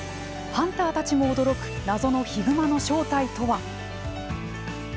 ハンターたちも驚く謎のヒグマの正体とは。